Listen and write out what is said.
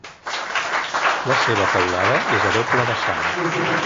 La seva teulada és a doble vessant.